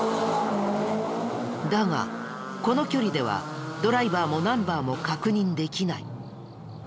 だがこの距離ではドライバーもナンバーも確認できない。